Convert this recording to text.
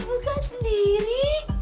bisa buka sendiri